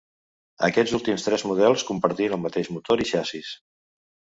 Aquests últims tres models compartint el mateix motor i xassís.